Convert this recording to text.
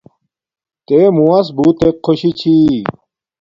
تے مووس بوتک خوشی چھی